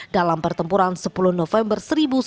dalam pertempuran sepuluh november seribu sembilan ratus empat puluh